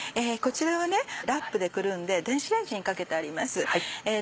こちらはラップでくるんで電子レンジにかけてあります。